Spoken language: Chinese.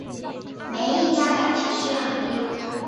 没一家敢提续航力